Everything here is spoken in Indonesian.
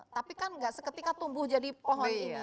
tapi kan nggak seketika tumbuh jadi pohon ini